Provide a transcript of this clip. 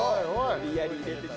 無理やり入れてきた。